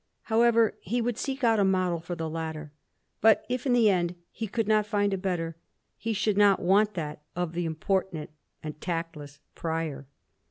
However, he would seek out a model for the latter; but if in the end he could not find a better, he should not want that of the importunate and tactless Prior.